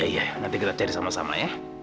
iya nanti kita cari sama sama ya